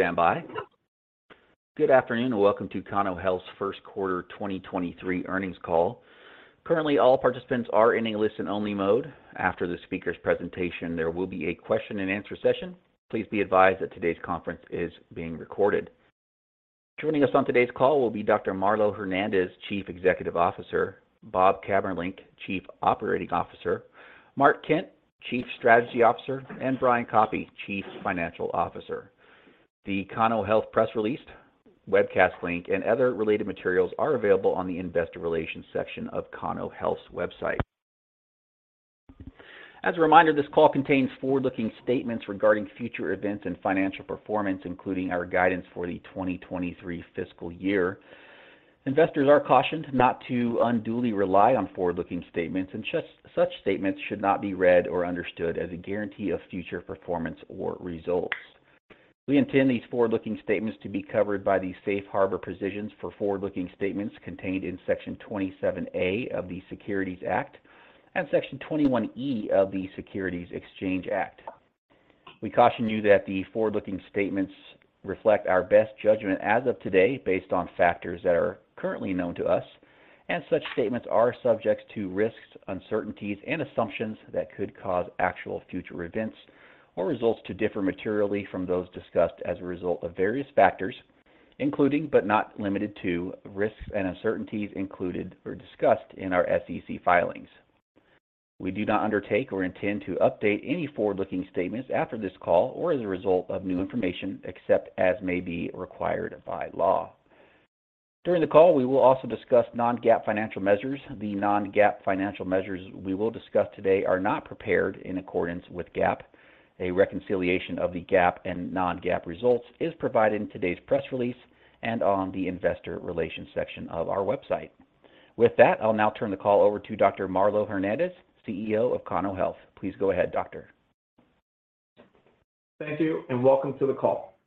Please stand by. Good afternoon and welcome to Cano Health's First Quarter 2023 Earnings Call. Currently, all participants are in a listen-only mode. After the speaker's presentation, there will be a question-and-answer session. Please be advised that today's conference is being recorded. Joining us on today's call will be Dr. Marlow Hernandez, Chief Executive Officer, Bob Camerlinck, Chief Operating Officer, Mark Kent, Chief Strategy Officer, and Brian Koppy, Chief Financial Officer. The Cano Health press release, webcast link, and other related materials are available on the investor relations section of Cano Health's website. As a reminder, this call contains forward-looking statements regarding future events and financial performance, including our guidance for the 2023 fiscal year. Investors are cautioned not to unduly rely on forward-looking statements, and such statements should not be read or understood as a guarantee of future performance or results. We intend these forward-looking statements to be covered by the safe harbor positions for forward-looking statements contained in Section 27A of the Securities Act and Section 21E of the Securities Exchange Act. We caution you that the forward-looking statements reflect our best judgment as of today based on factors that are currently known to us, and such statements are subject to risks, uncertainties, and assumptions that could cause actual future events or results to differ materially from those discussed as a result of various factors, including, but not limited to, risks and uncertainties included or discussed in our SEC filings. We do not undertake or intend to update any forward-looking statements after this call or as a result of new information, except as may be required by law. During the call, we will also discuss non-GAAP financial measures. The non-GAAP financial measures we will discuss today are not prepared in accordance with GAAP. A reconciliation of the GAAP and non-GAAP results is provided in today's press release and on the investor relations section of our website. With that, I'll now turn the call over to Dr. Marlow Hernandez, CEO of Cano Health. Please go ahead, Doctor. Thank you, and welcome to the call.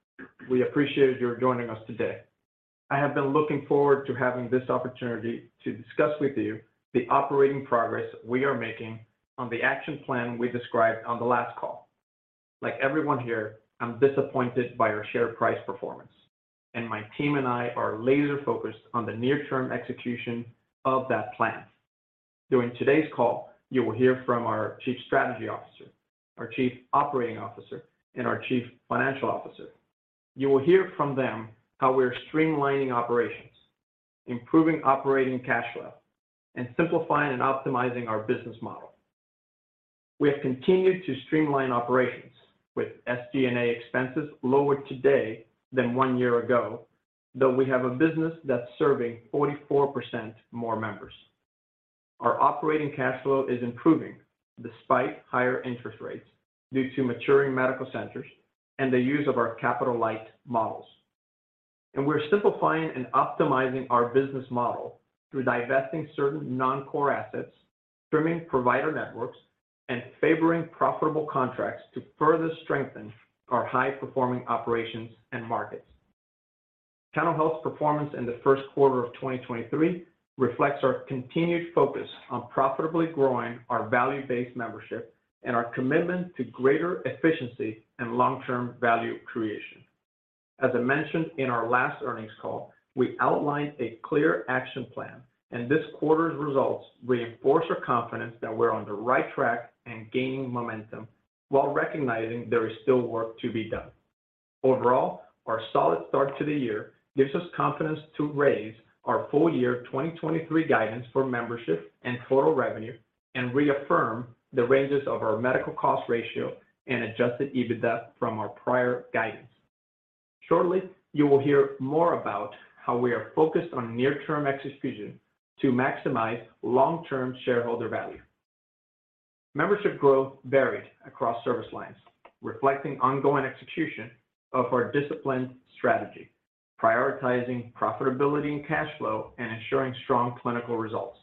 We appreciate your joining us today. I have been looking forward to having this opportunity to discuss with you the operating progress we are making on the action plan we described on the last call. Like everyone here, I'm disappointed by our share price performance, and my team and I are laser-focused on the near-term execution of that plan. During today's call, you will hear from our Chief Strategy Officer, our Chief Operating Officer, and our Chief Financial Officer. You will hear from them how we're streamlining operations, improving operating cash flow, and simplifying and optimizing our business model. We have continued to streamline operations with SG&A expenses lower today than one year ago, though we have a business that's serving 44% more members. Our operating cash flow is improving despite higher interest rates due to maturing medical centers and the use of our capital-light models. We're simplifying and optimizing our business model through divesting certain non-core assets, trimming provider networks, and favoring profitable contracts to further strengthen our high-performing operations and markets. Cano Health's performance in the first quarter of 2023 reflects our continued focus on profitably growing our value-based membership and our commitment to greater efficiency and long-term value creation. As I mentioned in our last earnings call, we outlined a clear action plan, and this quarter's results reinforce our confidence that we're on the right track and gaining momentum while recognizing there is still work to be done. Overall, our solid start to the year gives us confidence to raise our full year 2023 guidance for membership and total revenue and reaffirm the ranges of our medical cost ratio and adjusted EBITDA from our prior guidance. Shortly, you will hear more about how we are focused on near-term execution to maximize long-term shareholder value. Membership growth varied across service lines, reflecting ongoing execution of our disciplined strategy, prioritizing profitability and cash flow, and ensuring strong clinical results.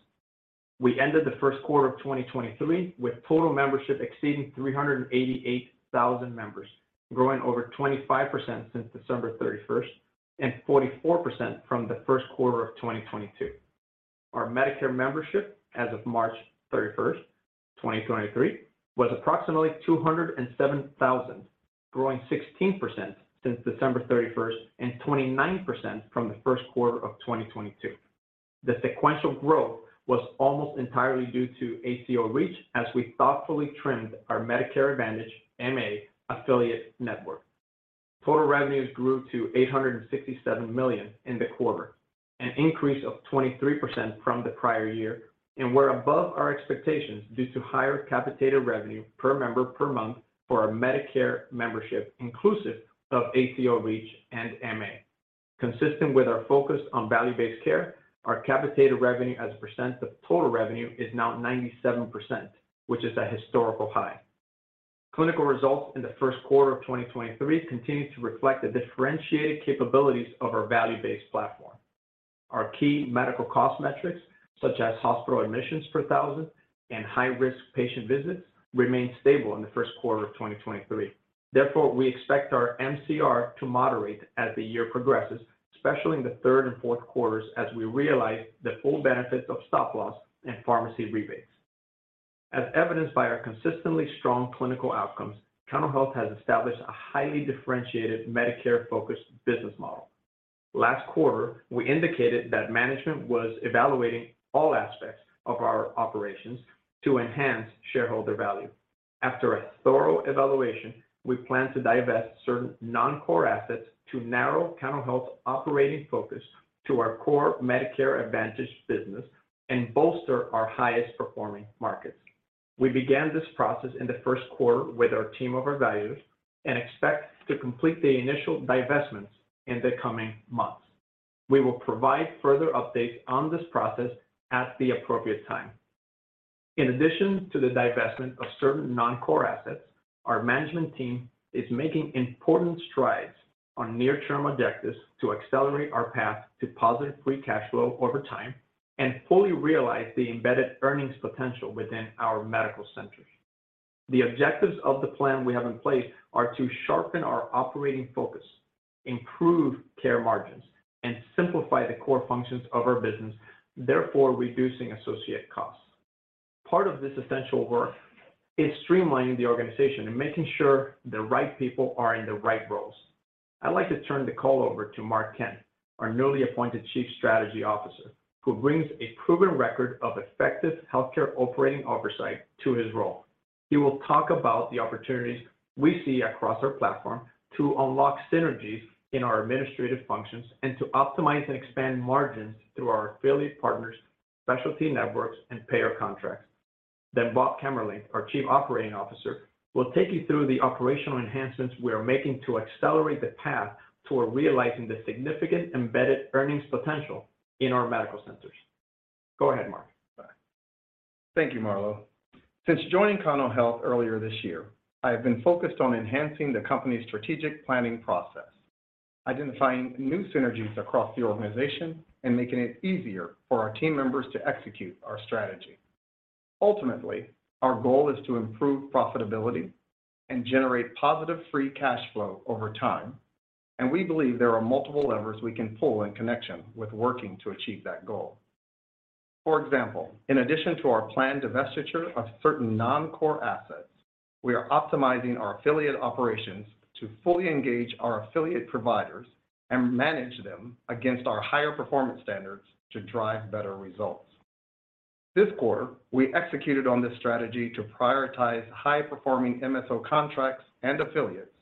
We ended the first quarter of 2023 with total membership exceeding 388,000 members, growing over 25% since December 31st and 44% from the first quarter of 2022. Our Medicare membership as of March 31st, 2023, was approximately 207,000, growing 16% since December 31st and 29% from the first quarter of 2022. The sequential growth was almost entirely due to ACO REACH as we thoughtfully trimmed our Medicare Advantage, MA, affiliate network. Total revenues grew to $867 million in the quarter, an increase of 23% from the prior year, and we're above our expectations due to higher capitated revenue per member per month for our Medicare membership, inclusive of ACO REACH and MA. Consistent with our focus on value-based care, our capitated revenue as a percent of total revenue is now 97%, which is a historical high. Clinical results in the first quarter of 2023 continue to reflect the differentiated capabilities of our value-based platform. Our key medical cost metrics, such as hospital admissions per thousand and high-risk patient visits, remained stable in the first quarter of 2023. Therefore, we expect our MCR to moderate as the year progresses, especially in the third and fourth quarters, as we realize the full benefits of stop loss and pharmacy rebates. As evidenced by our consistently strong clinical outcomes, Cano Health has established a highly differentiated Medicare-focused business model. Last quarter, we indicated that management was evaluating all aspects of our operations to enhance shareholder value. After a thorough evaluation, we plan to divest certain non-core assets to narrow Cano Health's operating focus to our core Medicare Advantage business and bolster our highest performing markets. We began this process in the first quarter with our team of advisors and expect to complete the initial divestments in the coming months. We will provide further updates on this process at the appropriate time. In addition to the divestment of certain non-core assets, our management team is making important strides on near-term objectives to accelerate our path to positive free cash flow over time and fully realize the embedded earnings potential within our medical centers. The objectives of the plan we have in place are to sharpen our operating focus, improve care margins, and simplify the core functions of our business, therefore, reducing associate costs. Part of this essential work is streamlining the organization and making sure the right people are in the right roles. I'd like to turn the call over to Mark Kent, our newly appointed Chief Strategy Officer, who brings a proven record of effective healthcare operating oversight to his role. He will talk about the opportunities we see across our platform to unlock synergies in our administrative functions and to optimize and expand margins through our affiliate partners, specialty networks, and payer contracts. Bob Camerlinck, our Chief Operating Officer, will take you through the operational enhancements we are making to accelerate the path toward realizing the significant embedded earnings potential in our medical centers. Go ahead, Mark. Thank you, Marlow. Since joining Cano Health earlier this year, I have been focused on enhancing the company's strategic planning process, identifying new synergies across the organization, and making it easier for our team members to execute our strategy. Ultimately, our goal is to improve profitability and generate positive free cash flow over time, and we believe there are multiple levers we can pull in connection with working to achieve that goal. For example, in addition to our planned divestiture of certain non-core assets, we are optimizing our affiliate operations to fully engage our affiliate providers and manage them against our higher performance standards to drive better results. This quarter, we executed on this strategy to prioritize high-performing MSO contracts and affiliates,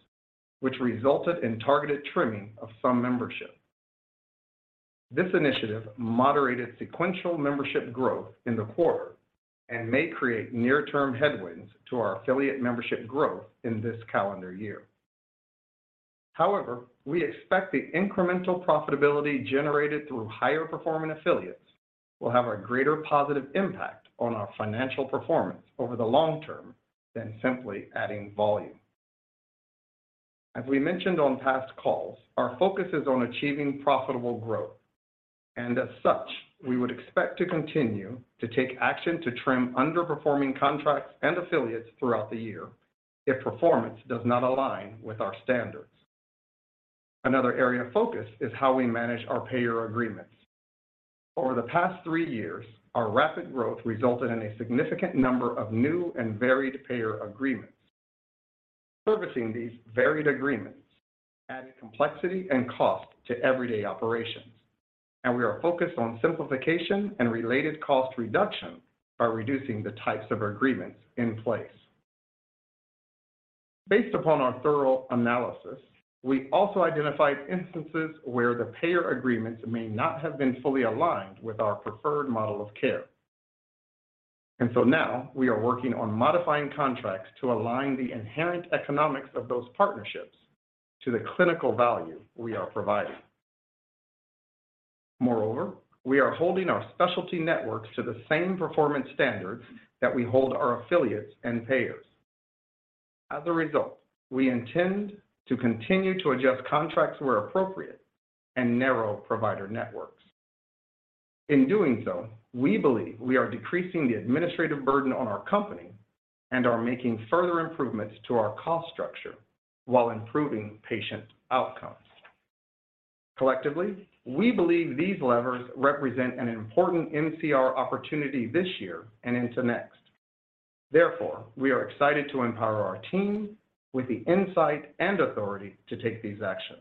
which resulted in targeted trimming of some membership. This initiative moderated sequential membership growth in the quarter and may create near-term headwinds to our affiliate membership growth in this calendar year. However, we expect the incremental profitability generated through higher performing affiliates will have a greater positive impact on our financial performance over the long term than simply adding volume. As we mentioned on past calls, our focus is on achieving profitable growth. As such, we would expect to continue to take action to trim underperforming contracts and affiliates throughout the year if performance does not align with our standards. Another area of focus is how we manage our payer agreements. Over the past three years, our rapid growth resulted in a significant number of new and varied payer agreements. Servicing these varied agreements added complexity and cost to everyday operations. We are focused on simplification and related cost reduction by reducing the types of agreements in place. Based upon our thorough analysis, we also identified instances where the payer agreements may not have been fully aligned with our preferred model of care. Now we are working on modifying contracts to align the inherent economics of those partnerships to the clinical value we are providing. Moreover, we are holding our specialty networks to the same performance standards that we hold our affiliates and payers. As a result, we intend to continue to adjust contracts where appropriate and narrow provider networks. In doing so, we believe we are decreasing the administrative burden on our company and are making further improvements to our cost structure while improving patient outcomes. Collectively, we believe these levers represent an important MCR opportunity this year and into next. Therefore, we are excited to empower our team with the insight and authority to take these actions.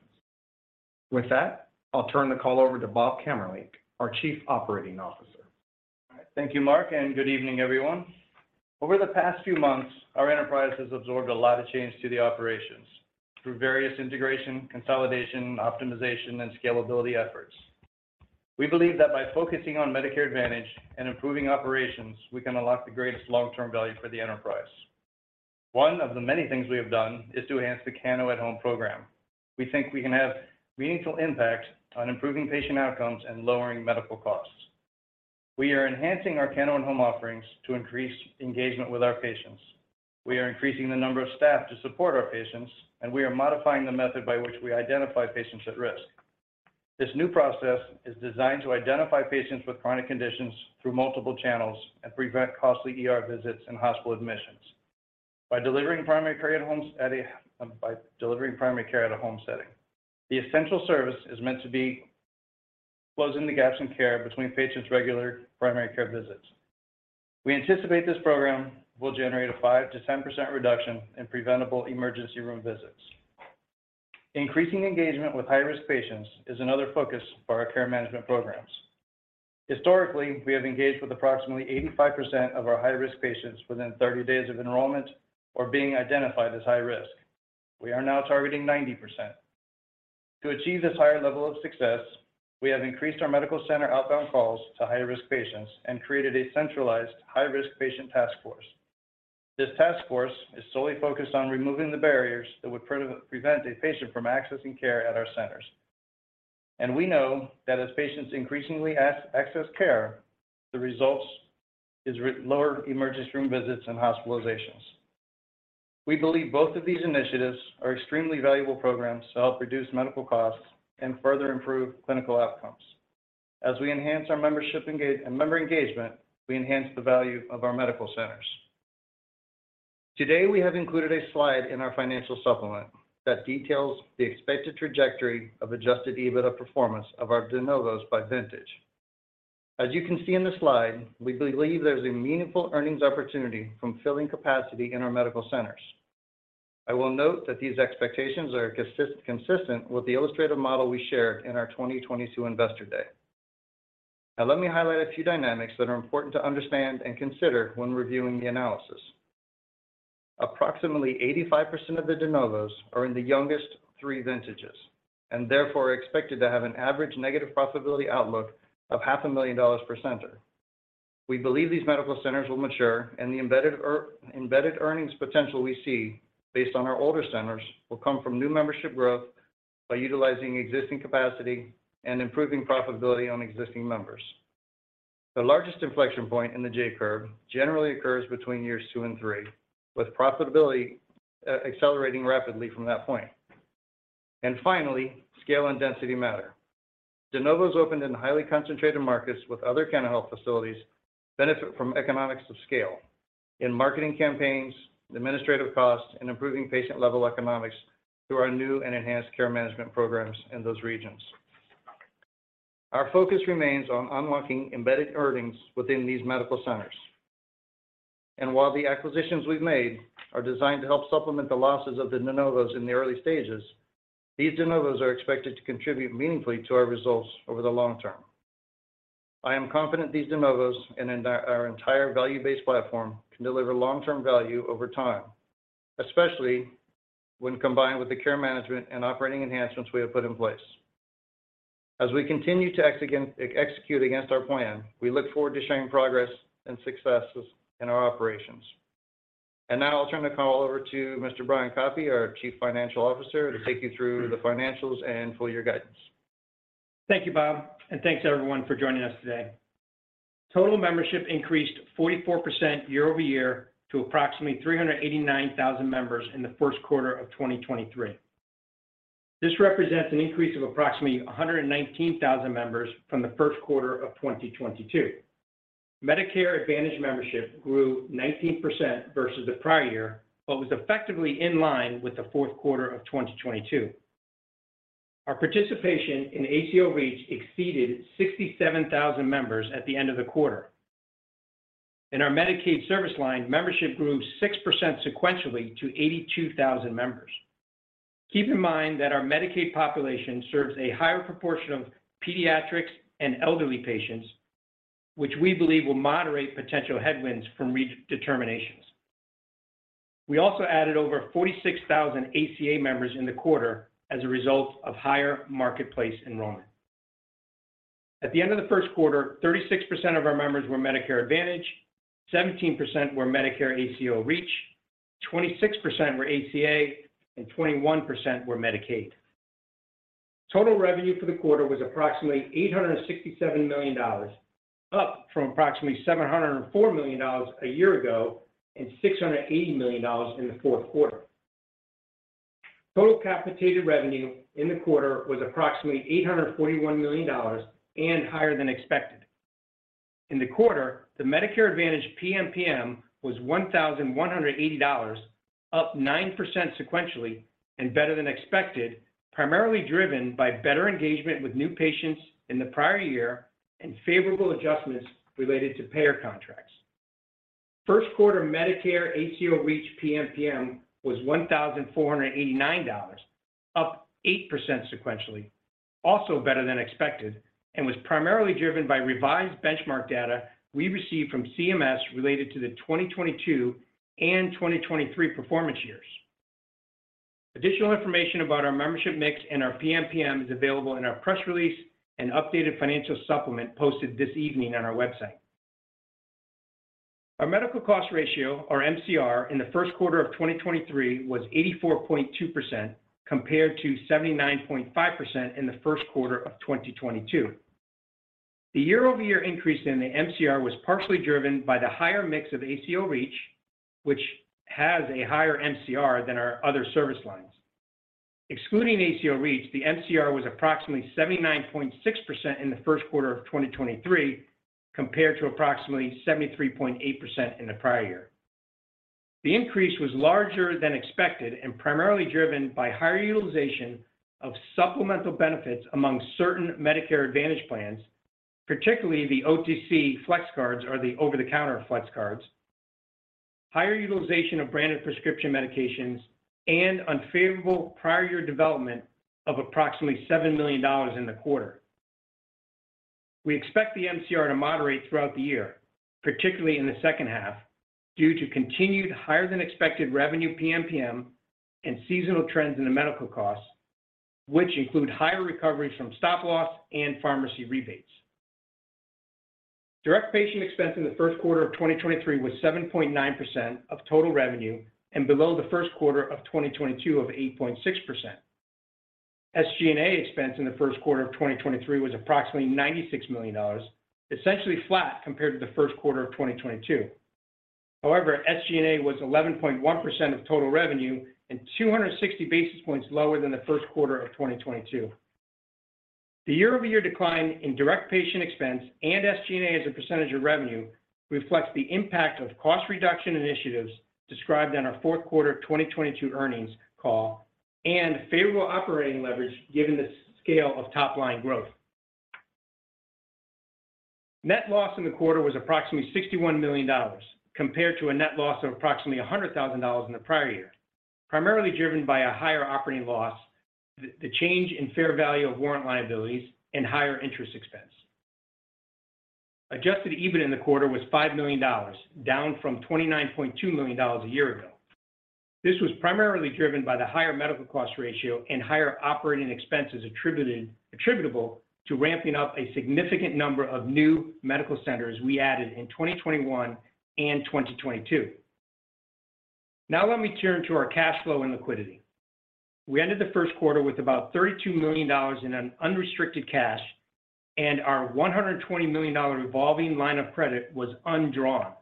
With that, I'll turn the call over to Bob Camerlinck, our Chief Operating Officer. All right. Thank you, Mark, and good evening, everyone. Over the past few months, our enterprise has absorbed a lot of change to the operations through various integration, consolidation, optimization, and scalability efforts. We believe that by focusing on Medicare Advantage and improving operations, we can unlock the greatest long-term value for the enterprise. One of the many things we have done is to enhance the Cano at Home program. We think we can have meaningful impact on improving patient outcomes and lowering medical costs. We are enhancing our Cano at Home offerings to increase engagement with our patients. We are increasing the number of staff to support our patients. We are modifying the method by which we identify patients at risk. This new process is designed to identify patients with chronic conditions through multiple channels and prevent costly ER visits and hospital admissions. By delivering primary care at a home setting, the essential service is meant to be. Closing the gaps in care between patients' regular primary care visits. We anticipate this program will generate a 5-10% reduction in preventable emergency room visits. Increasing engagement with high-risk patients is another focus for our care management programs. Historically, we have engaged with approximately 85% of our high-risk patients within 30 days of enrollment or being identified as high risk. We are now targeting 90%. To achieve this higher level of success, we have increased our medical center outbound calls to high-risk patients and created a centralized high-risk patient task force. This task force is solely focused on removing the barriers that would prevent a patient from accessing care at our centers. We know that as patients increasingly access care, the results is lower emergency room visits and hospitalizations. We believe both of these initiatives are extremely valuable programs to help reduce medical costs and further improve clinical outcomes. As we enhance our membership member engagement, we enhance the value of our medical centers. Today, we have included a slide in our financial supplement that details the expected trajectory of adjusted EBITDA performance of our de novos by vintage. As you can see in the slide, we believe there's a meaningful earnings opportunity from filling capacity in our medical centers. I will note that these expectations are consistent with the illustrative model we shared in our 2022 Investor Day. Let me highlight a few dynamics that are important to understand and consider when reviewing the analysis. Approximately 85% of the de novos are in the youngest vintages, and therefore are expected to have an average negative profitability outlook of half a million dollars per center. We believe these medical centers will mature, and the embedded earnings potential we see based on our older centers will come from new membership growth by utilizing existing capacity and improving profitability on existing members. The largest inflection point in the J-curve generally occurs between years two and three, with profitability accelerating rapidly from that point. Finally, scale and density matter. De novos opened in highly concentrated markets with other Cano Health facilities benefit from economics of scale in marketing campaigns, administrative costs, and improving patient-level economics through our new and enhanced care management programs in those regions. Our focus remains on unlocking embedded earnings within these medical centers. While the acquisitions we've made are designed to help supplement the losses of the de novos in the early stages, these de novos are expected to contribute meaningfully to our results over the long term. I am confident these de novos and our entire value-based platform can deliver long-term value over time, especially when combined with the care management and operating enhancements we have put in place. As we continue to execute against our plan, we look forward to sharing progress and successes in our operations. Now I'll turn the call over to Mr. Brian Koppy, our Chief Financial Officer, to take you through the financials and full year guidance. Thank you, Bob. Thanks everyone for joining us today. Total membership increased 44% year-over-year to approximately 389,000 members in the first quarter of 2023. This represents an increase of approximately 119,000 members from the first quarter of 2022. Medicare Advantage membership grew 19% versus the prior year, but was effectively in line with the fourth quarter of 2022. Our participation in ACO REACH exceeded 67,000 members at the end of the quarter. In our Medicaid service line, membership grew 6% sequentially to 82,000 members. Keep in mind that our Medicaid population serves a higher proportion of pediatrics and elderly patients, which we believe will moderate potential headwinds from redeterminations. We also added over 46,000 ACA members in the quarter as a result of higher marketplace enrollment. At the end of the first quarter, 36% of our members were Medicare Advantage, 17% were Medicare ACO REACH, 26% were ACA, and 21% were Medicaid. Total revenue for the quarter was approximately $867 million, up from approximately $704 million a year ago and $680 million in the fourth quarter. Total capitated revenue in the quarter was approximately $841 million and higher than expected. In the quarter, the Medicare Advantage PMPM was $1,180, up 9% sequentially and better than expected, primarily driven by better engagement with new patients in the prior year and favorable adjustments related to payer contracts. First quarter Medicare ACO REACH PMPM was $1,489, up 8% sequentially, also better than expected, and was primarily driven by revised benchmark data we received from CMS related to the 2022 and 2023 performance years. Additional information about our membership mix and our PMPM is available in our press release and updated financial supplement posted this evening on our website. Our medical cost ratio, or MCR, in the first quarter of 2023 was 84.2%, compared to 79.5% in the first quarter of 2022. The year-over-year increase in the MCR was partially driven by the higher mix of ACO REACH, which has a higher MCR than our other service lines. Excluding ACO REACH, the MCR was approximately 79.6% in the first quarter of 2023, compared to approximately 73.8% in the prior year. The increase was larger than expected and primarily driven by higher utilization of supplemental benefits among certain Medicare Advantage plans, particularly the OTC FlexCards or the over-the-counter FlexCards, higher utilization of branded prescription medications, and unfavorable prior year development of approximately $7 million in the quarter. We expect the MCR to moderate throughout the year, particularly in the second half, due to continued higher than expected revenue PMPM and seasonal trends in the medical costs, which include higher recoveries from stop loss and pharmacy rebates. Direct patient expense in the first quarter of 2023 was 7.9% of total revenue and below the first quarter of 2022 of 8.6%. SG&A expense in the first quarter of 2023 was approximately $96 million, essentially flat compared to the first quarter of 2022. However, SG&A was 11.1% of total revenue and 260 basis points lower than the first quarter of 2022. The year-over-year decline in direct patient expense and SG&A as a percentage of revenue reflects the impact of cost reduction initiatives described in our fourth quarter of 2022 earnings call and favorable operating leverage given the scale of top-line growth. Net loss in the quarter was approximately $61 million, compared to a net loss of approximately $100,000 in the prior year, primarily driven by a higher operating loss, the change in fair value of warrant liabilities, and higher interest expense. Adjusted EBITDA in the quarter was $5 million, down from $29.2 million a year ago. This was primarily driven by the higher medical cost ratio and higher operating expenses attributable to ramping up a significant number of new medical centers we added in 2021 and 2022. Let me turn to our cash flow and liquidity. We ended the first quarter with about $32 million in unrestricted cash, and our $120 million revolving line of credit was undrawn,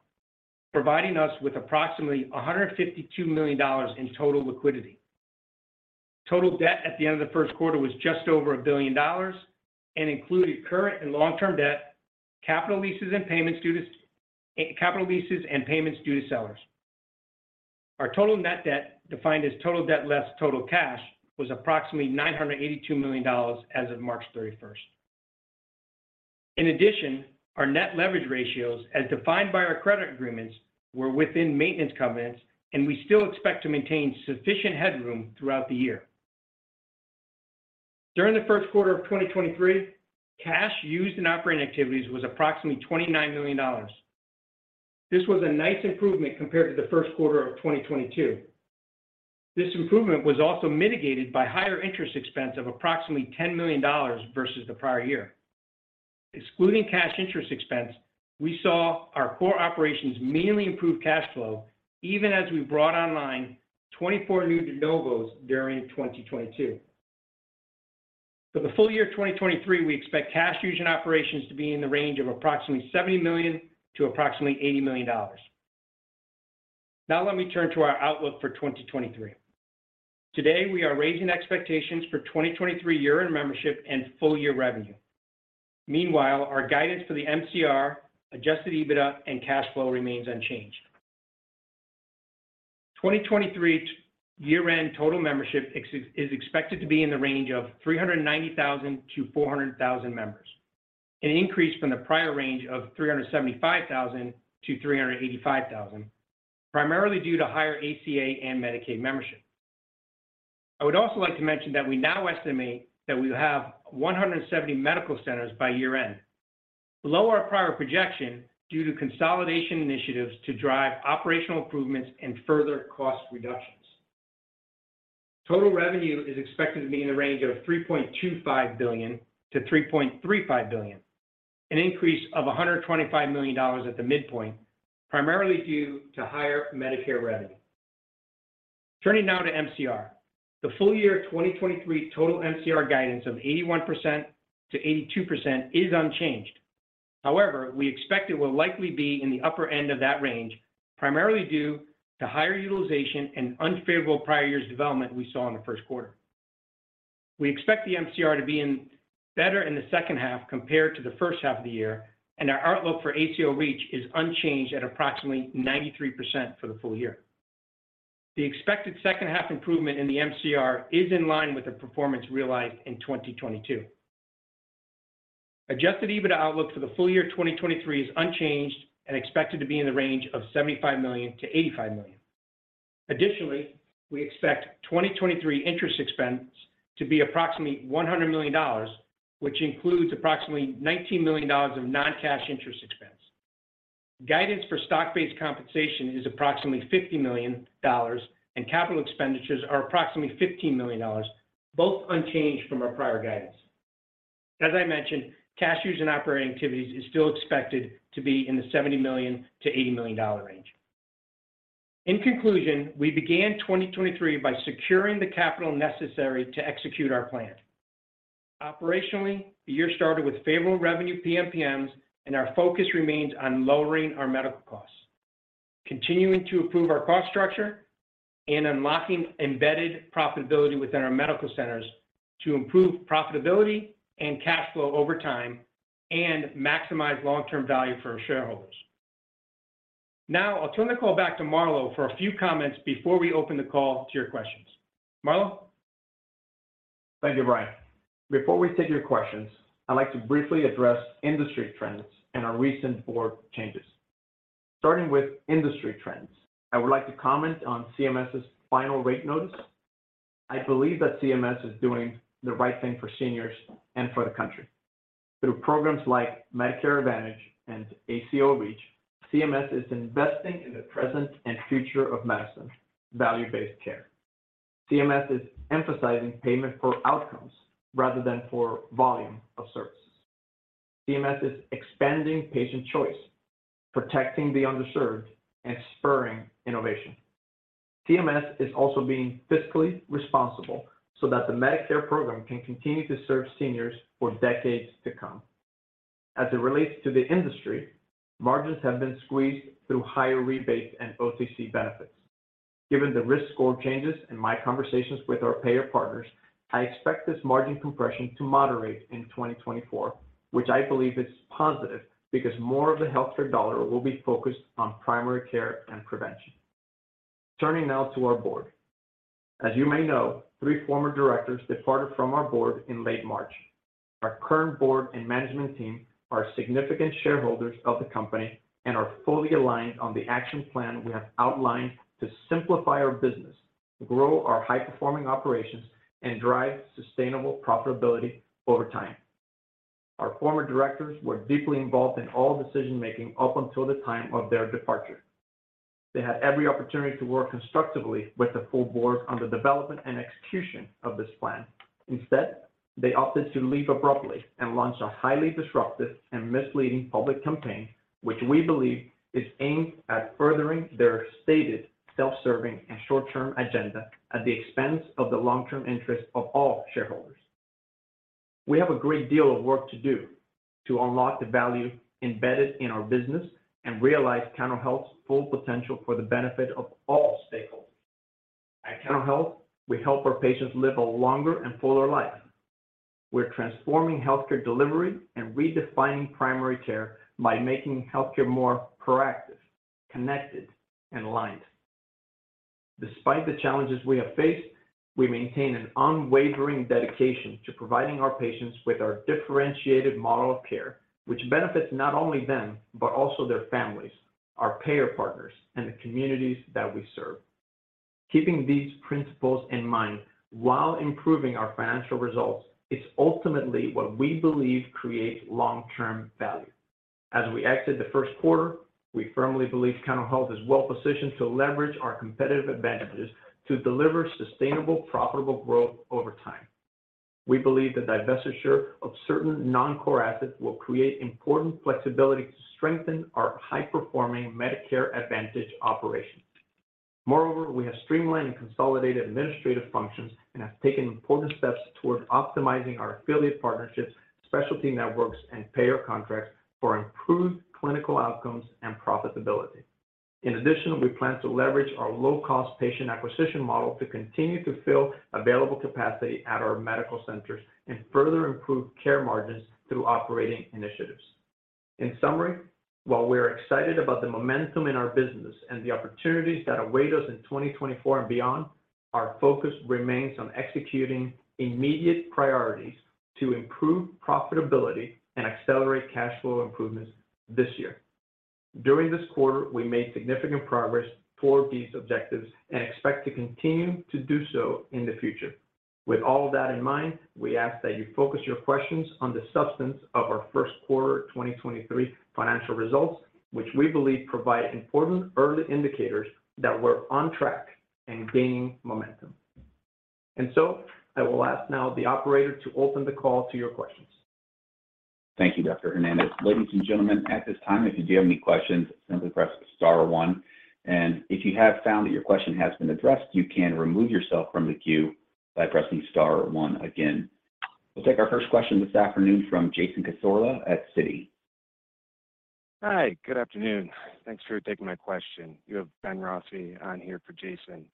providing us with approximately $152 million in total liquidity. Total debt at the end of the first quarter was just over $1 billion and included current and long-term debt, capital leases and payments due to sellers. Our total net debt, defined as total debt less total cash, was approximately $982 million as of March 31st. Our net leverage ratios as defined by our credit agreements, were within maintenance covenants, and we still expect to maintain sufficient headroom throughout the year. During the first quarter of 2023, cash used in operating activities was approximately $29 million. This was a nice improvement compared to the first quarter of 2022. This improvement was also mitigated by higher interest expense of approximately $10 million versus the prior year. Excluding cash interest expense, we saw our core operations mainly improve cash flow, even as we brought online 24 new de novos during 2022. For the full year 2023, we expect cash used in operations to be in the range of approximately $70 million-$80 million. Now let me turn to our outlook for 2023. Today, we are raising expectations for 2023 year-end membership and full year revenue. Meanwhile, our guidance for the MCR, adjusted EBITDA, and cash flow remains unchanged. 2023 year-end total membership is expected to be in the range of 390,000-400,000 members, an increase from the prior range of 375,000-385,000, primarily due to higher ACA and Medicaid membership. I would also like to mention that we now estimate that we will have 170 medical centers by year-end, below our prior projection due to consolidation initiatives to drive operational improvements and further cost reductions. Total revenue is expected to be in the range of $3.25 billion-$3.35 billion, an increase of $125 million at the midpoint, primarily due to higher Medicare revenue. Turning now to MCR. The full year 2023 total MCR guidance of 81%-82% is unchanged. We expect it will likely be in the upper end of that range, primarily due to higher utilization and unfavorable prior years development we saw in the first quarter. We expect the MCR to be in better in the second half compared to the first half of the year, and our outlook for ACO REACH is unchanged at approximately 93% for the full year. The expected second half improvement in the MCR is in line with the performance realized in 2022. Adjusted EBITDA outlook for the full year 2023 is unchanged and expected to be in the range of $75 million-$85 million. Additionally, we expect 2023 interest expense to be approximately $100 million, which includes approximately $19 million of non-cash interest expense. Guidance for stock-based compensation is approximately $50 million, and capital expenditures are approximately $15 million, both unchanged from our prior guidance. As I mentioned, cash used in operating activities is still expected to be in the $70 million-$80 million range. In conclusion, we began 2023 by securing the capital necessary to execute our plan. Operationally, the year started with favorable revenue PMPMs, and our focus remains on lowering our medical costs, continuing to improve our cost structure. Unlocking embedded profitability within our medical centers to improve profitability and cash flow over time and maximize long-term value for our shareholders. Now I'll turn the call back to Marlow for a few comments before we open the call to your questions. Marlow? Thank you, Brian. Before we take your questions, I'd like to briefly address industry trends and our recent board changes. Starting with industry trends, I would like to comment on CMS's final rate notice. I believe that CMS is doing the right thing for seniors and for the country. Through programs like Medicare Advantage and ACO REACH, CMS is investing in the present and future of medicine, value-based care. CMS is emphasizing payment for outcomes rather than for volume of services. CMS is expanding patient choice, protecting the underserved, and spurring innovation. CMS is also being fiscally responsible so that the Medicare program can continue to serve seniors for decades to come. As it relates to the industry, margins have been squeezed through higher rebates and OTC benefits. Given the risk score changes in my conversations with our payer partners, I expect this margin compression to moderate in 2024, which I believe is positive because more of the healthcare dollar will be focused on primary care and prevention. Turning now to our board. As you may know, 3 former directors departed from our board in late March. Our current board and management team are significant shareholders of the company and are fully aligned on the action plan we have outlined to simplify our business, grow our high-performing operations, and drive sustainable profitability over time. Our former directors were deeply involved in all decision-making up until the time of their departure. They had every opportunity to work constructively with the full board on the development and execution of this plan. Instead, they opted to leave abruptly and launch a highly disruptive and misleading public campaign, which we believe is aimed at furthering their stated self-serving and short-term agenda at the expense of the long-term interest of all shareholders. We have a great deal of work to do to unlock the value embedded in our business and realize Cano Health's full potential for the benefit of all stakeholders. At Cano Health, we help our patients live a longer and fuller life. We're transforming healthcare delivery and redefining primary care by making healthcare more proactive, connected, and aligned. Despite the challenges we have faced, we maintain an unwavering dedication to providing our patients with our differentiated model of care, which benefits not only them, but also their families, our payer partners, and the communities that we serve. Keeping these principles in mind while improving our financial results is ultimately what we believe creates long-term value. As we exit the first quarter, we firmly believe Cano Health is well-positioned to leverage our competitive advantages to deliver sustainable, profitable growth over time. We believe the divestiture of certain non-core assets will create important flexibility to strengthen our high-performing Medicare Advantage operations. Moreover, we have streamlined and consolidated administrative functions and have taken important steps toward optimizing our affiliate partnerships, specialty networks, and payer contracts for improved clinical outcomes and profitability. In addition, we plan to leverage our low-cost patient acquisition model to continue to fill available capacity at our medical centers and further improve care margins through operating initiatives. In summary, while we're excited about the momentum in our business and the opportunities that await us in 2024 and beyond, our focus remains on executing immediate priorities to improve profitability and accelerate cash flow improvements this year. During this quarter, we made significant progress toward these objectives and expect to continue to do so in the future. With all of that in mind, we ask that you focus your questions on the substance of our 1st quarter 2023 financial results, which we believe provide important early indicators that we're on track and gaining momentum. I will ask now the operator to open the call to your questions. Thank you, Dr. Hernandez. Ladies and gentlemen, at this time, if you do have any questions, simply press star one. If you have found that your question has been addressed, you can remove yourself from the queue by pressing star one again. We'll take our first question this afternoon from Jason Cassorla at Citi. Hi, good afternoon. Thanks for taking my question. You have Benjamin Rossi on here for Jason.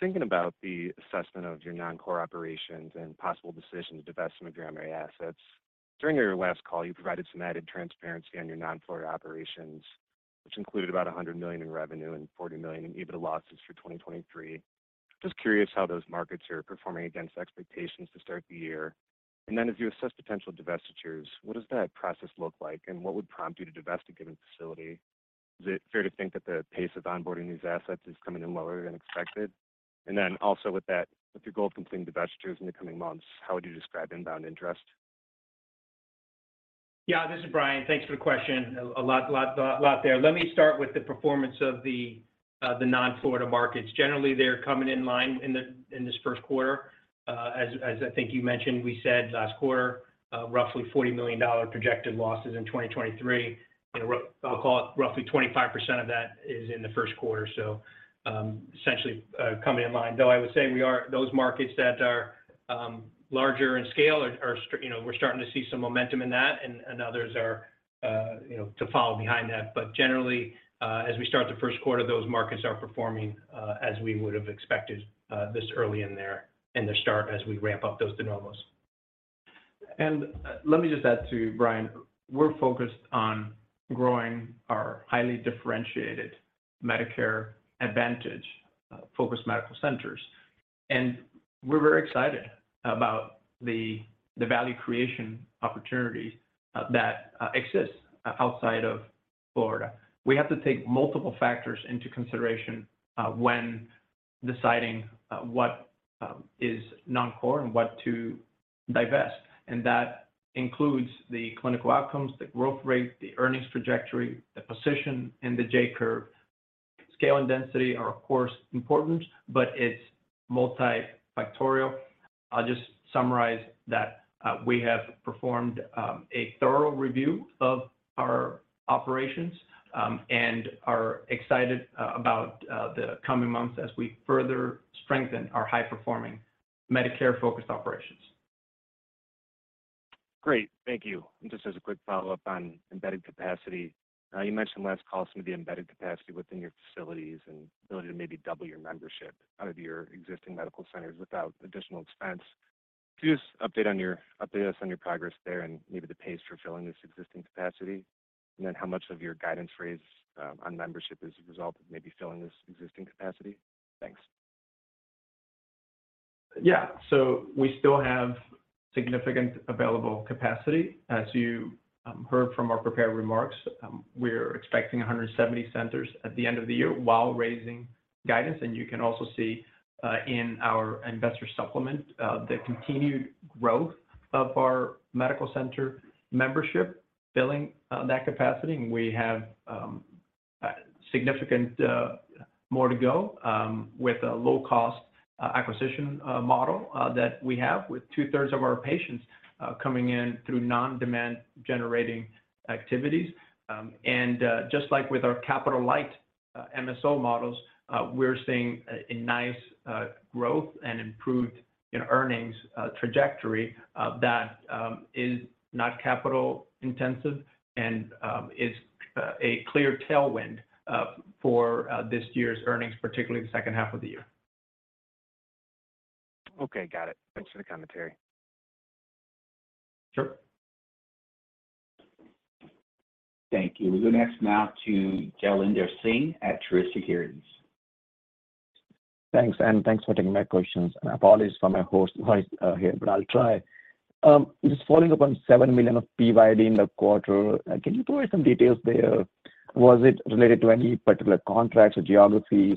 Thinking about the assessment of your non-core operations and possible decision to divest some of your primary assets, during your last call, you provided some added transparency on your non-Florida operations, which included about $100 million in revenue and $40 million in EBITDA losses for 2023. Just curious how those markets are performing against expectations to start the year. As you assess potential divestitures, what does that process look like, and what would prompt you to divest a given facility? Is it fair to think that the pace of onboarding these assets is coming in lower than expected? Also with that, with your goal of completing divestitures in the coming months, how would you describe inbound interest? Yeah, this is Brian. Thanks for the question. A lot, lot there. Let me start with the performance of the non-Florida markets. Generally, they're coming in line in this first quarter. As, as I think you mentioned, we said last quarter, roughly $40 million projected losses in 2023. I'll call it roughly 25% of that is in the first quarter. Essentially, coming in line. I would say we are those markets that are larger in scale are, you know, we're starting to see some momentum in that, and others are, you know, to follow behind that. Generally, as we start the first quarter, those markets are performing, as we would have expected, this early in their start as we ramp up those de novos. Let me just add to Brian. We're focused on growing our highly differentiated Medicare Advantage, focused medical centers, and we're very excited about the value creation opportunities, that, exist outside of Florida. We have to take multiple factors into consideration, when deciding, what, is non-core and what to divest, and that includes the clinical outcomes, the growth rate, the earnings trajectory, the position in the J-curve. Scale and density are, of course, important, but it's multifactorial. I'll just summarize that, we have performed, a thorough review of our operations, and are excited about, the coming months as we further strengthen our high-performing Medicare-focused operations. Great. Thank you. Just as a quick follow-up on embedded capacity, you mentioned last call some of the embedded capacity within your facilities and ability to maybe double your membership out of your existing medical centers without additional expense. Can you just update us on your progress there and maybe the pace for filling this existing capacity? Then how much of your guidance raise on membership is a result of maybe filling this existing capacity? Thanks. We still have significant available capacity. As you heard from our prepared remarks, we're expecting 170 centers at the end of the year while raising guidance. You can also see in our investor supplement, the continued growth of our medical center membership filling that capacity. We have significant more to go with a low-cost acquisition model that we have with two-thirds of our patients coming in through non-demand generating activities. Just like with our capital-light MSO models, we're seeing a nice growth and improved, you know, earnings trajectory that is not capital intensive and is a clear tailwind for this year's earnings, particularly the second half of the year. Okay. Got it. Thanks for the commentary. Sure. Thank you. We'll go next now to Jailendra Singh at Truist Securities. Thanks, and thanks for taking my questions. Apologies for my hoarse voice here, but I'll try. Just following up on $7 million of PYD in the quarter, can you provide some details there? Was it related to any particular contracts or geographies?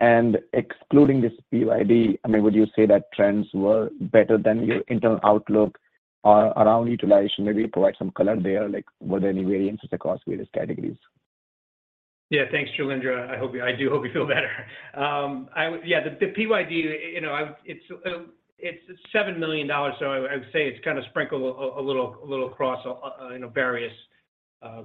Excluding this PYD, I mean, would you say that trends were better than your internal outlook around utilization? Maybe provide some color there, like were there any variances across various categories? Yeah, thanks, Jailendra. I do hope you feel better. The PYD, you know, it's $7 million, so I would say it's kind of sprinkled a little across, you know, various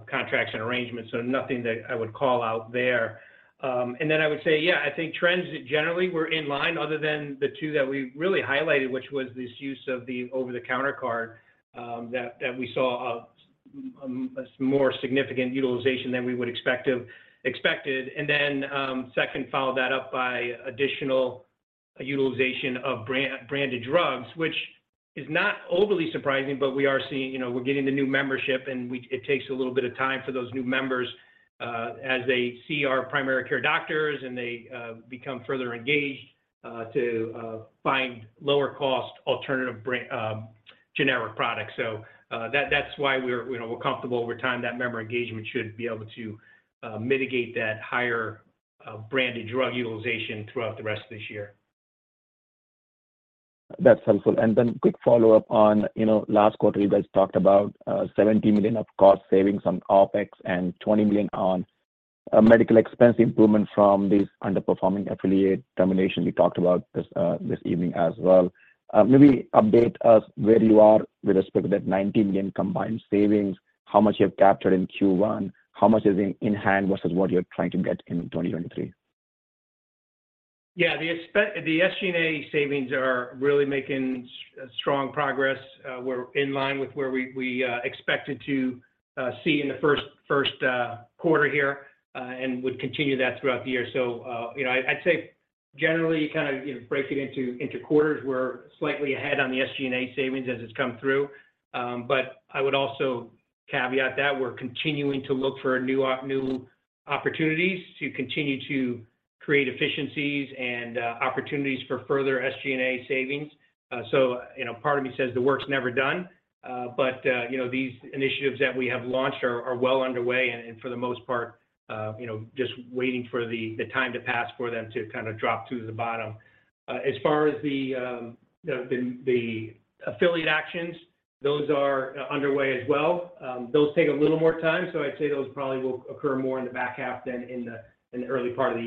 contracts and arrangements, so nothing that I would call out there. I would say, yeah, I think trends generally were in line other than the two that we really highlighted, which was this use of the over-the-counter card, that we saw a more significant utilization than we would expected. Second, followed that up by additional utilization of brand, branded drugs, which is not overly surprising, but we are seeing, you know, we're getting the new membership, and it takes a little bit of time for those new members, as they see our primary care doctors, and they become further engaged, to find lower cost alternative brand, generic products. That, that's why we're, you know, we're comfortable over time that member engagement should be able to mitigate that higher branded drug utilization throughout the rest of this year. That's helpful. Quick follow-up on, you know, last quarter you guys talked about $70 million of cost savings on OpEx and $20 million on medical expense improvement from these underperforming affiliate termination we talked about this evening as well. Maybe update us where you are with respect to that $90 million combined savings, how much you have captured in Q1, how much is in-hand versus what you're trying to get in 2023. Yeah. The SG&A savings are really making strong progress. We're in line with where we expected to see in the first quarter here, and would continue that throughout the year. You know, I'd say generally, kind of, you know, break it into quarters, we're slightly ahead on the SG&A savings as it's come through. I would also caveat that we're continuing to look for new opportunities to continue to create efficiencies and opportunities for further SG&A savings. You know, part of me says the work's never done. You know, these initiatives that we have launched are well underway and for the most part, you know, just waiting for the time to pass for them to kind of drop to the bottom.dicare.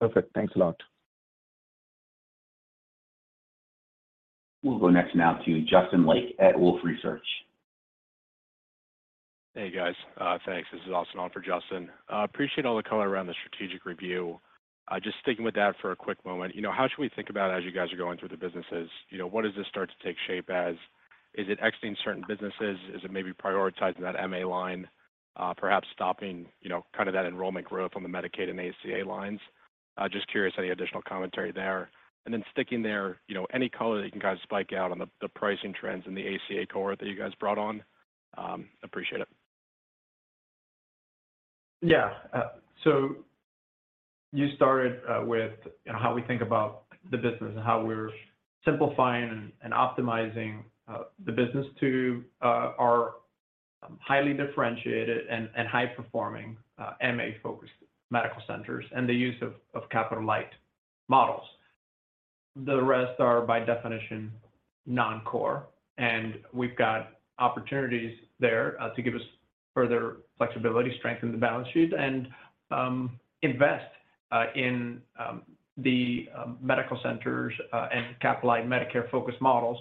We'll go next now to Justin Lake at Wolfe Research. Hey, guys. Thanks. This is also on for Justin. Appreciate all the color around the strategic review. Just sticking with that for a quick moment. You know, how should we think about as you guys are going through the businesses, you know, what does this start to take shape as? Is it exiting certain businesses? Is it maybe prioritizing that MA line, perhaps stopping, you know, kind of that enrollment growth on the Medicaid and ACA lines? Just curious, any additional commentary there. Sticking there, you know, any color that you can kind of spike out on the pricing trends in the ACA cohort that you guys brought on. Appreciate it. Yeah. You started, with, you know, how we think about the business and how we're simplifying and optimizing, the business to, our highly differentiated and high performing, MA-focused medical centers and the use of capital-light models. The rest are by definition non-core, and we've got opportunities there, to give us further flexibility, strengthen the balance sheet, and, invest, in, the, medical centers, and capitalize Medicare focus models,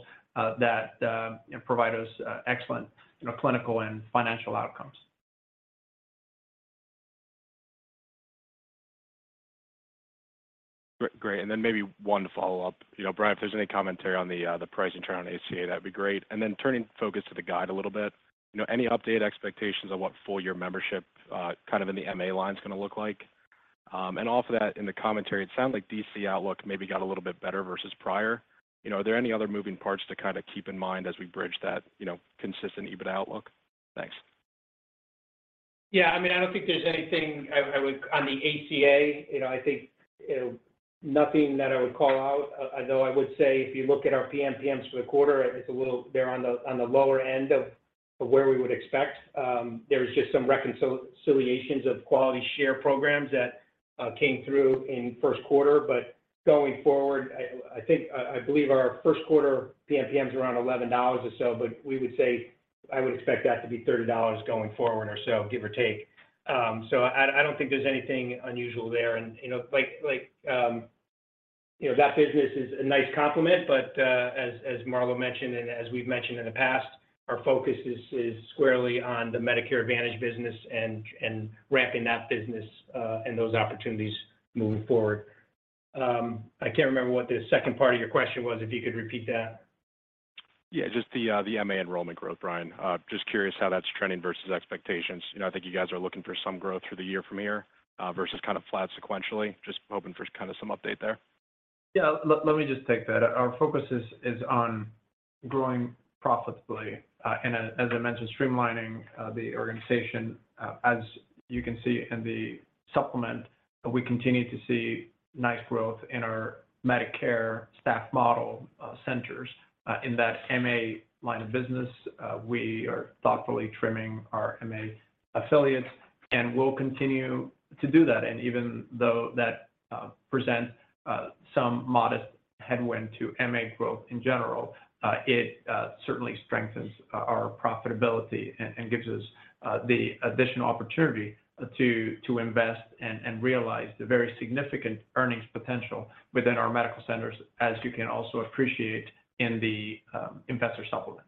that, provide us, excellent, you know, clinical and financial outcomes. Great. Maybe one follow-up. You know, Brian, if there's any commentary on the pricing trend on ACA, that'd be great. Turning focus to the guide a little bit, you know, any updated expectations on what full year membership, kind of in the MA line's gonna look like? Off of that in the commentary, it sounded like DC outlook maybe got a little bit better versus prior. You know, are there any other moving parts to kind of keep in mind as we bridge that, you know, consistent EBIT outlook? Thanks. Yeah. I mean, I don't think there's anything On the ACA, you know, I think nothing that I would call out. Although I would say if you look at our PMPMs for the quarter, they're on the lower end of where we would expect. There's just some reconciliations of quality bonus programs that came through in first quarter. Going forward, I think I believe our first quarter PMPMs around $11 or so, but we would say I would expect that to be $30 going forward or so, give or take. I don't think there's anything unusual there. You know, like, you know, that business is a nice complement. As Marlow mentioned, and as we've mentioned in the past, our focus is squarely on the Medicare Advantage business and ramping that business and those opportunities moving forward. I can't remember what the second part of your question was, if you could repeat that. Yeah, just the MA enrollment growth, Brian. Just curious how that's trending versus expectations. You know, I think you guys are looking for some growth through the year from here, versus kind of flat sequentially. Just hoping for kind of some update there. Yeah. Let me just take that. Our focus is on growing profitably, and as I mentioned, streamlining the organization. As you can see in the supplement, we continue to see nice growth in our Medicare staff model centers. In that MA line of business, we are thoughtfully trimming our MA affiliates, and we'll continue to do that. Even though that presents some modest headwind to MA growth in general, it certainly strengthens our profitability and gives us the additional opportunity to invest and realize the very significant earnings potential within our medical centers as you can also appreciate in the investor supplement.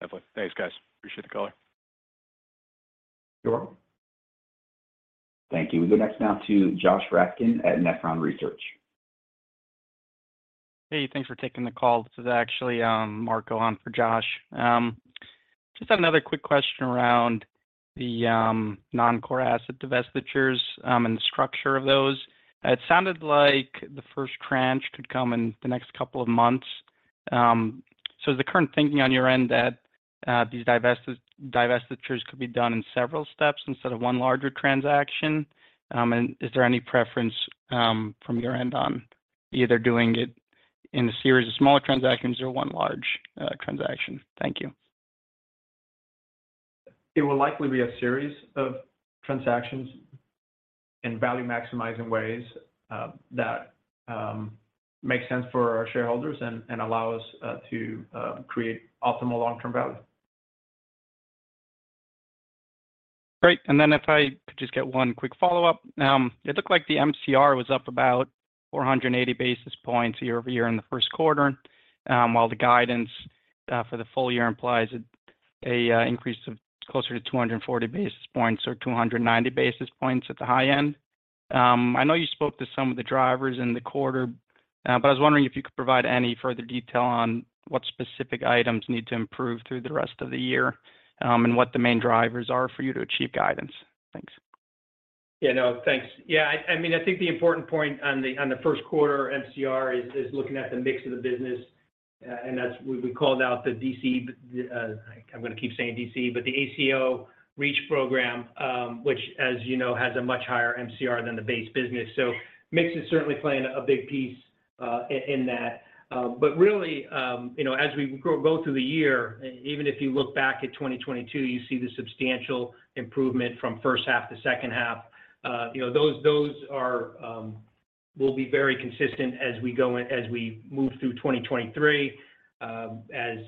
Definitely. Thanks, guys. Appreciate the color. Sure. Thank you. We go next now to Josh Raskin at Nephron Research. Hey, thanks for taking the call. This is actually Marco on for Josh. Just had another quick question around the non-core asset divestitures and the structure of those. It sounded like the first tranche could come in the next couple of months. Is the current thinking on your end that these divestitures could be done in several steps instead of one larger transaction? Is there any preference from your end on either doing it in a series of smaller transactions or one large transaction? Thank you. It will likely be a series of transactions in value maximizing ways, that make sense for our shareholders and allow us to create optimal long-term value. Great. If I could just get one quick follow-up. It looked like the MCR was up about 480 basis points year-over-year in the first quarter, while the guidance for the full year implies it a increase of closer to 240 basis points or 290 basis points at the high end. I know you spoke to some of the drivers in the quarter, but I was wondering if you could provide any further detail on what specific items need to improve through the rest of the year, and what the main drivers are for you to achieve guidance. Thanks. Yeah. No, thanks. I mean, I think the important point on the first quarter MCR is looking at the mix of the business, and that's we called out the D.C. I'm gonna keep saying D.C., but the ACO REACH program, which, as you know, has a much higher MCR than the base business. Mix is certainly playing a big piece in that. But really, you know, as we go through the year, even if you look back at 2022, you see the substantial improvement from first half to second half. You know, those are very consistent as we move through 2023, as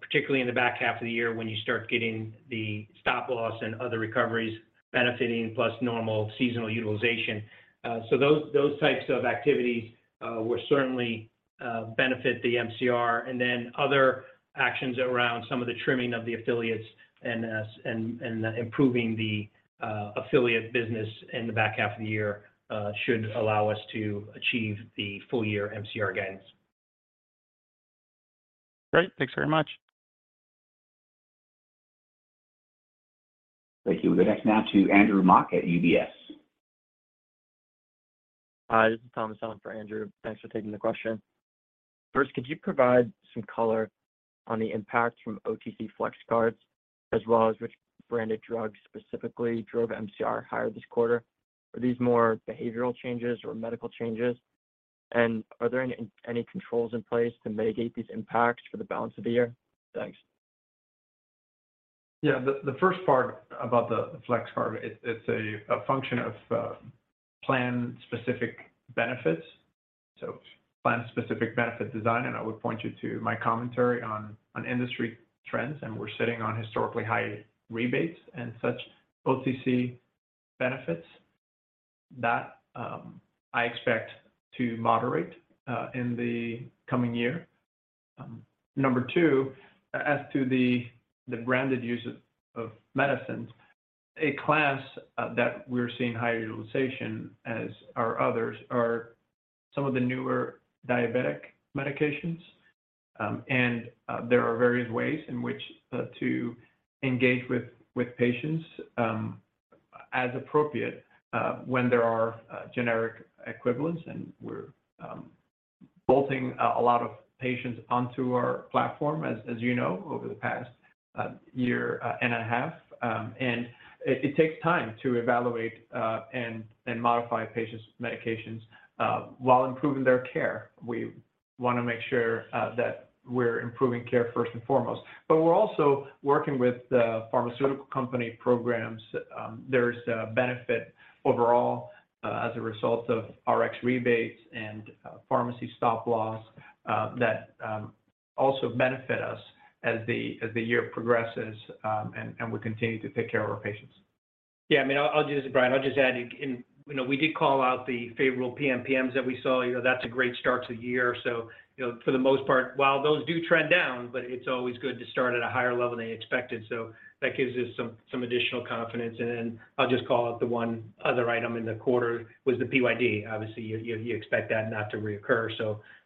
particularly in the back half of the year when you start getting the stop loss and other recoveries benefiting plus normal seasonal utilization. Those types of activities will certainly benefit the MCR. Other actions around some of the trimming of the affiliates and improving the affiliate business in the back half of the year should allow us to achieve the full year MCR gains. Great. Thanks very much. Thank you. We're next now to Andrew Mok at UBS. Hi, this is Thomas calling for Andrew. Thanks for taking the question. First, could you provide some color on the impact from OTC FlexCards as well as which branded drugs specifically drove MCR higher this quarter? Are these more behavioral changes or medical changes? Are there any controls in place to mitigate these impacts for the balance of the year? Thanks. Yeah. The first part about the FlexCard, it's a function of plan specific benefits, so plan specific benefit design, and I would point you to my commentary on industry trends, and we're sitting on historically high rebates and such OTC benefits that I expect to moderate in the coming year. Number two, as to the branded use of medicines, a class that we're seeing higher utilization as are others, are some of the newer diabetic medications. There are various ways in which to engage with patients as appropriate when there are generic equivalents. We're bolting a lot of patients onto our platform, as you know, over the past year and a half. It takes time to evaluate, and modify patients' medications, while improving their care. We wanna make sure that we're improving care first and foremost. We're also working with the pharmaceutical company programs. There's a benefit overall, as a result of Rx rebates and, pharmacy stop loss, that also benefit us as the year progresses, and we continue to take care of our patients. Yeah, I mean, Brian, I'll just add in. You know, we did call out the favorable PMPMs that we saw. You know, that's a great start to the year. You know, for the most part, while those do trend down, but it's always good to start at a higher level than you expected. That gives us some additional confidence. Then I'll just call out the one other item in the quarter was the PYD. Obviously, you expect that not to reoccur.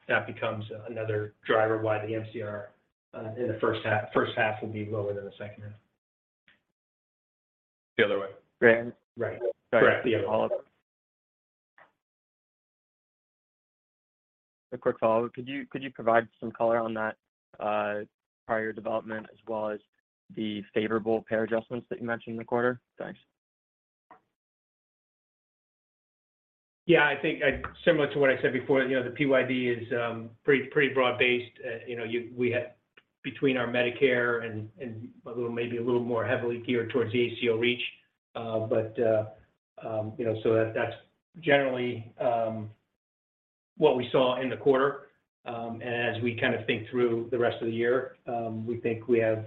That becomes another driver why the MCR in the first half will be lower than the second half. The other way. Right. Right. Correct. A quick follow-up. Could you provide some color on that, prior development as well as the favorable payer adjustments that you mentioned in the quarter? Thanks. Yeah, I think similar to what I said before, you know, the PYD is pretty broad-based. You know, we have between our Medicare and a little, maybe a little more heavily geared towards the ACO REACH. You know, that's generally what we saw in the quarter. As we kind of think through the rest of the year, we think we have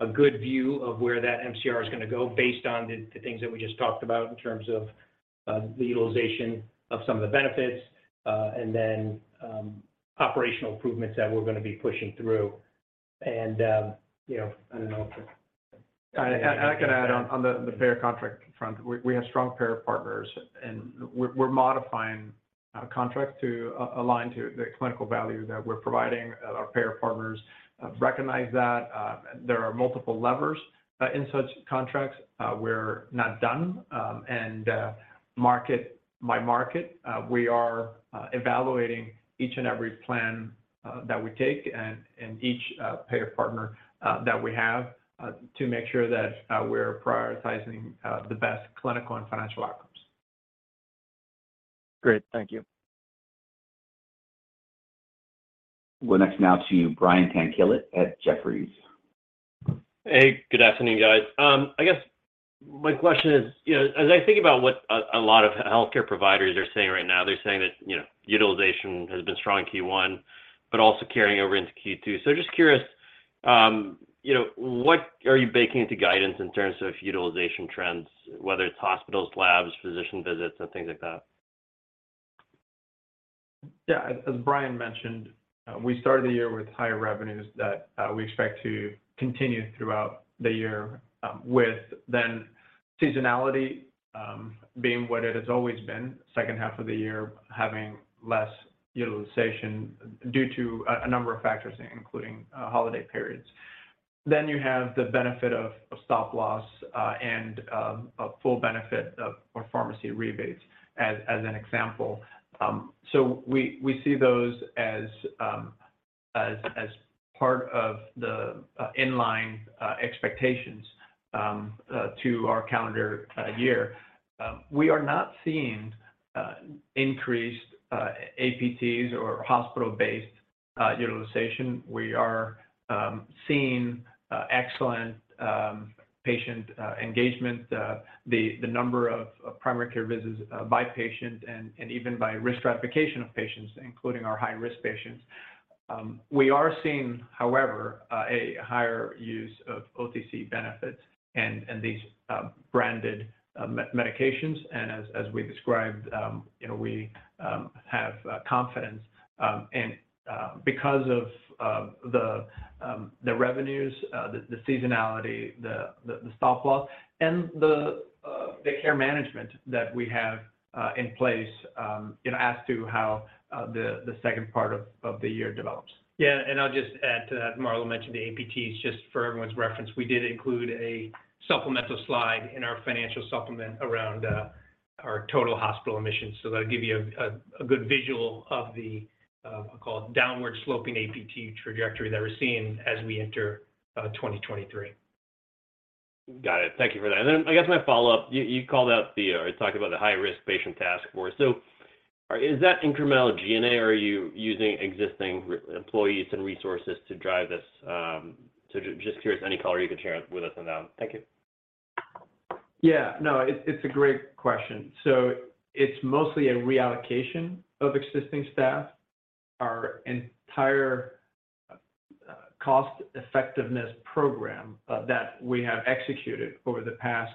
a good view of where that MCR is gonna go based on the things that we just talked about in terms of the utilization of some of the benefits, and then operational improvements that we're gonna be pushing through. You know, I don't know if... I can add on the payer contract front. We have strong payer partners, and we're modifying contracts to align to the clinical value that we're providing. Our payer partners recognize that there are multiple levers in such contracts. We're not done, and market by market. We are evaluating each and every plan that we take and each payer partner that we have to make sure that we're prioritizing the best clinical and financial outcomes. Great. Thank you. We're next now to Brian Tanquilut at Jefferies. Hey, good afternoon, guys. I guess my question is, you know, as I think about what a lot of healthcare providers are saying right now, they're saying that, you know, utilization has been strong in Q1, but also carrying over into Q2. Just curious, you know, what are you baking into guidance in terms of utilization trends, whether it's hospitals, labs, physician visits, and things like that? Yeah. As Brian mentioned, we started the year with higher revenues that we expect to continue throughout the year, with then seasonality being what it has always been, second half of the year having less utilization due to a number of factors, including holiday periods. You have the benefit of stop loss and a full benefit of pharmacy rebates as an example. We see those as part of the inline expectations to our calendar year. We are not seeing increased APTs or hospital-based utilization. We are seeing excellent patient engagement. The number of primary care visits by patient and even by risk stratification of patients, including our high-risk patients. We are seeing, however, a higher use of OTC benefits and these branded medications. As we described, you know, we have confidence, and because of the revenues, the seasonality, the stop loss, and the care management that we have in place, you know, as to how the second part of the year develops. Yeah. I'll just add to that. Marla mentioned the APTs. Just for everyone's reference, we did include a supplemental slide in our financial supplement around our total hospital admissions. That'll give you a good visual of the call downward sloping APT trajectory that we're seeing as we enter 2023. Got it. Thank you for that. I guess my follow-up, you called out the, or talked about the high-risk patient task force. Is that incremental G&A, or are you using existing employees and resources to drive this? Just curious. Any color you can share with us on that. Thank you. Yeah, no, it's a great question. It's mostly a reallocation of existing staff. Our entire cost-effectiveness program that we have executed over the past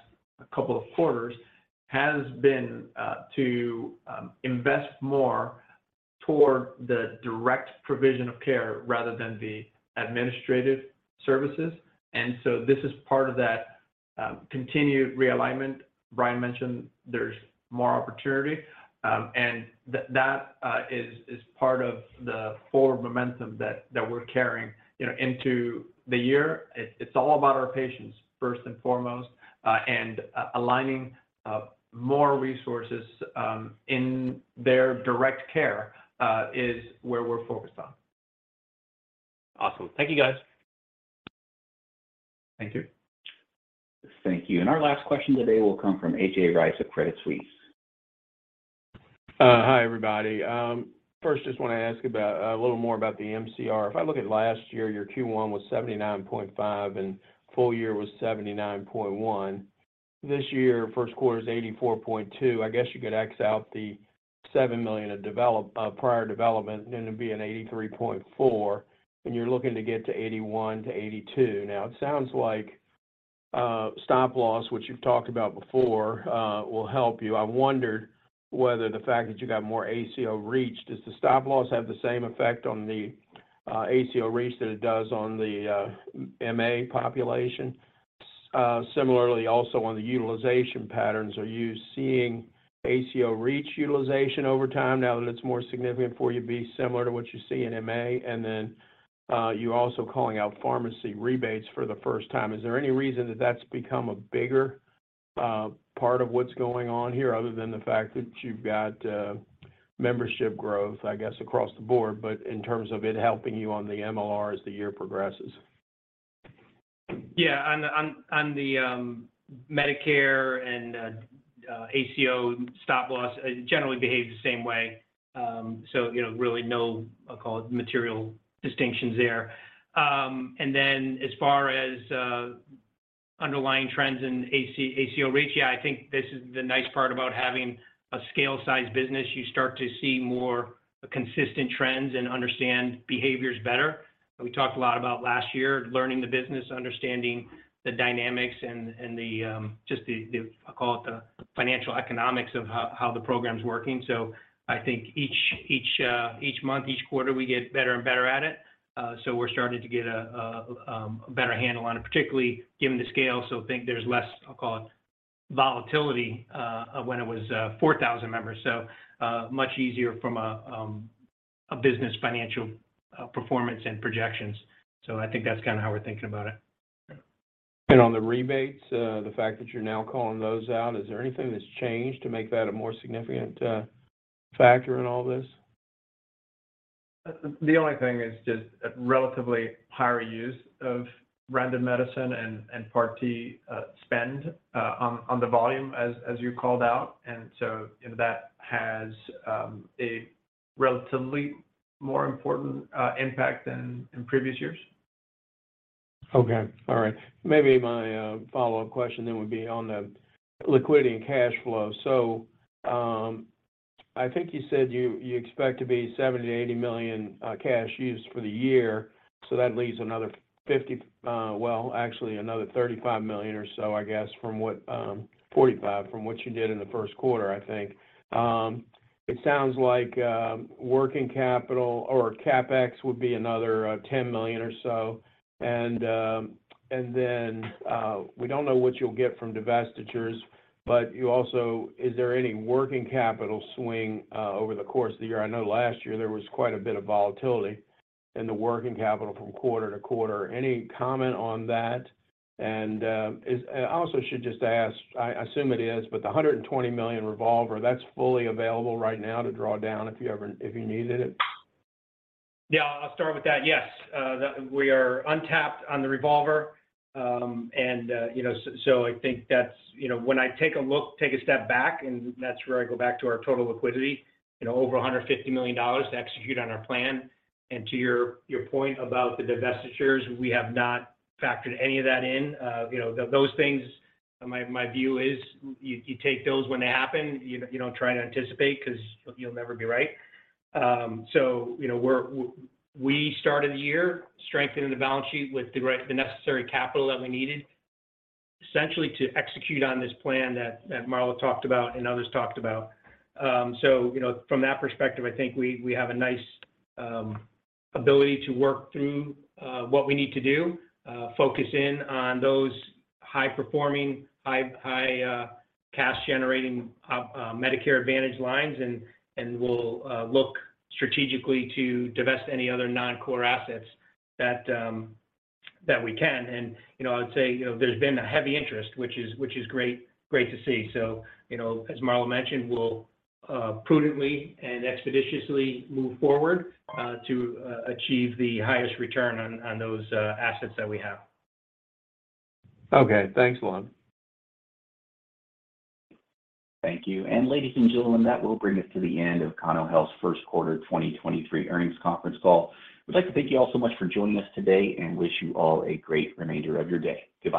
couple of quarters has been to invest more toward the direct provision of care rather than the administrative services. This is part of that continued realignment. Brian mentioned there's more opportunity. That is part of the forward momentum that we're carrying, you know, into the year. It's all about our patients, first and foremost, aligning more resources in their direct care is where we're focused on. Awesome. Thank you, guys. Thank you. Thank you. Our last question today will come from A.J. Rice of Credit Suisse. Hi, everybody. First, just wanna ask about a little more about the MCR. If I look at last year, your Q1 was 79.5%, and full year was 79.1%. This year, first quarter is 84.2%. I guess you could X out the $7 million of prior development, and it'd be an 83.4%, and you're looking to get to 81%-82%. Now, it sounds like stop loss, which you've talked about before, will help you. I wondered whether the fact that you got more ACO REACH, does the stop loss have the same effect on the ACO REACH that it does on the MA population? Similarly also on the utilization patterns, are you seeing ACO REACH utilization over time now that it's more significant for you to be similar to what you see in MA? You're also calling out pharmacy rebates for the first time. Is there any reason that that's become a bigger part of what's going on here other than the fact that you've got membership growth, I guess, across the board, but in terms of it helping you on the MLR as the year progresses? Yeah. On the Medicare and ACO stop loss, it generally behaves the same way. You know, really no, I'll call it, material distinctions there. As far as underlying trends in ACO REACH, I think this is the nice part about having a scale-sized business. You start to see more consistent trends and understand behaviors better. We talked a lot about last year, learning the business, understanding the dynamics, and the, I call it the financial economics of how the program's working. I think each month, each quarter, we get better and better at it. We're starting to get a better handle on it, particularly given the scale. I think there's less, I'll call it, volatility, when it was 4,000 members. Much easier from a business financial performance and projections. I think that's kind of how we're thinking about it. On the rebates, the fact that you're now calling those out, is there anything that's changed to make that a more significant factor in all this? The only thing is just a relatively higher use of brand medicine and Part D spend on the volume as you called out. You know, that has a relatively more important impact than in previous years. Okay. All right. Maybe my follow-up question then would be on the liquidity and cash flow. I think you said you expect to be $70 million-$80 million cash used for the year. That leaves another $50, well, actually another $35 million or so, I guess, from what, $45, from what you did in the first quarter, I think. It sounds like working capital or CapEx would be another $10 million or so. Then, we don't know what you'll get from divestitures, but you also... Is there any working capital swing over the course of the year? I know last year there was quite a bit of volatility in the working capital from quarter to quarter. Any comment on that? I also should just ask, I assume it is, but the $120 million revolver, that's fully available right now to draw down if you needed it? Yeah, I'll start with that. Yes, we are untapped on the revolver. I think that's, you know, when I take a look, take a step back, and that's where I go back to our total liquidity, you know, over $150 million to execute on our plan. To your point about the divestitures, we have not factored any of that in. Those things, my view is you take those when they happen. You don't try and anticipate 'cause you'll never be right. We started the year strengthening the balance sheet with the right, the necessary capital that we needed, essentially to execute on this plan that Marla talked about and others talked about. You know, from that perspective, I think we have a nice ability to work through what we need to do, focus in on those high-performing, high cash-generating Medicare Advantage lines, and we'll look strategically to divest any other non-core assets that we can. You know, I would say, you know, there's been a heavy interest, which is great to see. You know, as Marla mentioned, we'll prudently and expeditiously move forward to achieve the highest return on those assets that we have. Okay. Thanks a lot. Thank you. Ladies and gentlemen, that will bring us to the end of Cano Health's first quarter 2023 earnings conference call. I'd like to thank you all so much for joining us today and wish you all a great remainder of your day. Good night.